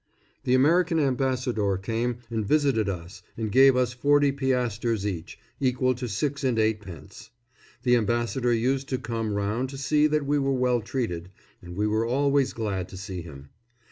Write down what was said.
The American Ambassador came and visited us and gave us forty piastres each, equal to six and eightpence. The Ambassador used to come round to see that we were well treated, and we were always glad to see him.